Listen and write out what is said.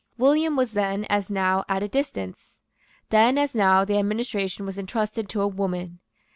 William was then, as now, at a distance. Then, as now, the administration was entrusted to a woman.